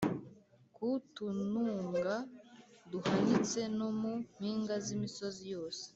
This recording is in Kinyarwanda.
ku tununga duhanitse no mu mpinga z’imisozi yose